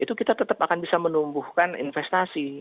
itu kita tetap akan bisa menumbuhkan investasi